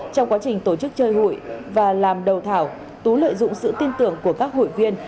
trong quá trình tổ chức chơi hụi và làm đầu thảo tú lợi dụng sự tin tưởng của các hội viên